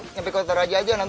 paling keren nggak ada aausan